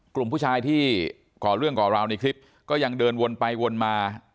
กลุ่มผู้ชายที่ก่อเรื่องก่อราวในคลิปก็ยังเดินวนไปวนมา